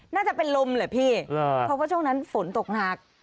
น่าจะเป็นลมเหรอพี่เพราะว่าช่วงนั้นฝนตกหนัก